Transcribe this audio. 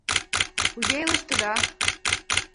— Кузе илыштыда?